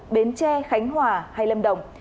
bến tre khánh hòa hay lâm đồng